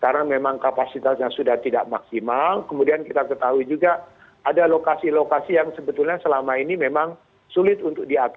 karena memang kapasitasnya sudah tidak maksimal kemudian kita ketahui juga ada lokasi lokasi yang sebetulnya selama ini memang sulit untuk diatur